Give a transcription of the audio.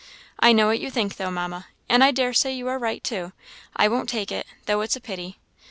"I know what you think, though, Mamma, and I daresay you are right, too; I won't take it, though it's a pity.